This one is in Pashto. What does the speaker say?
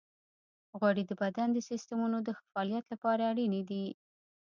غوړې د بدن د سیستمونو د ښه فعالیت لپاره اړینې دي.